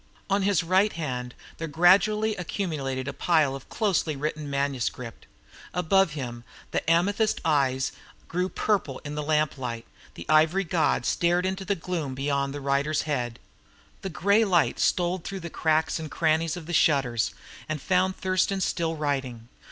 On his right hand there gradually accumulated a pile of closely written manuscript. Above him, the amethyst eyes grew purple in the lamplight, the ivory god stared into the gloom beyond the writer's head. The grey light stole through the cracks and crannies of the shutters, and found Thurston still writing.